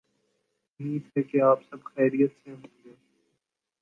امید ہے کہ آپ سب خیریت سے ہوں گے۔